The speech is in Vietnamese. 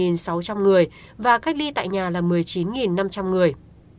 một sáu trăm linh người và cách ly tại nhà là một mươi chín năm trăm linh người